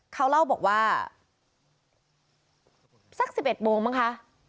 เขาเล่าบอกว่าสัก๑๑โมงมั้งคะ